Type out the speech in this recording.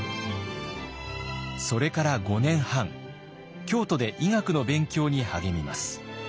それから５年半京都で医学の勉強に励みます。